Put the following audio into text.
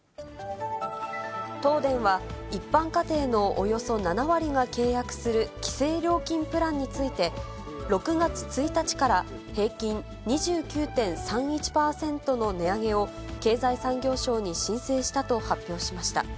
東電は、一般家庭のおよそ７割が契約する規制料金プランについて、６月１日から平均２９．３１％の値上げを経済産業省に申請したと発表しました。